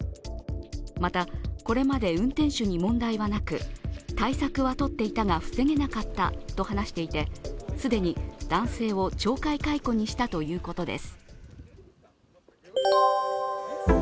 また、これまで運転手に問題はなく対策は取っていたが防げなかったと話していて、既に男性を懲戒解雇にしたということです。